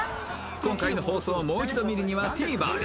今回の放送をもう一度見るには ＴＶｅｒ で